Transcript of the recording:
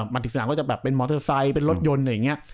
มาถึงสนามก็จะแบบเป็นมอเตอร์ไซค์เป็นรถยนต์